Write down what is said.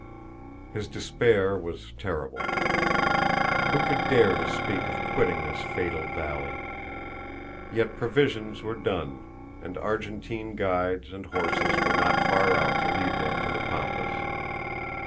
His despair was terrible. Who could dare to speak of quitting this fatal valley? Yet provisions were done, and Argentine guides and horses were not far off to lead them to the Pampas.